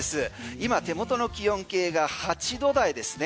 今、手元の気温計が８度台ですね。